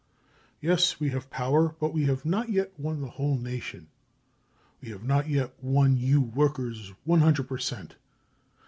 Yes, we have power, but we have not yet won the whole nation. We have not yet won you workers r, hundred per cent.